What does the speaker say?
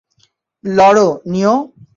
লড়ো, নিও!